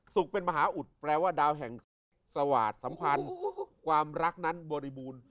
เป็นมหาอุดแปลว่าดาวแห่งสุขสวาสสัมพันธ์ความรักนั้นบริบูรณ์